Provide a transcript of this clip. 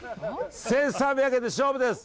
１３００円で勝負です。